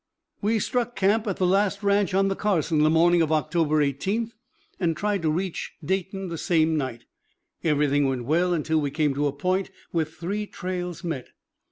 We struck camp at the last ranch on the Carson the morning of October 18, and tried to reach Dayton the same night. Everything went well until we came to a point where three trails met.